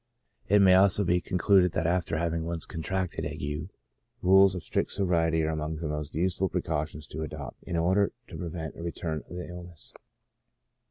It may also be concluded that after having once con tracted ague, rules of strict sobriety are among the most useful precautions to adopt in order to prevent a return of the illness.